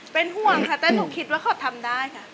เป็นห่วงค่ะแต่หนูคิดว่าเขาทำได้ค่ะ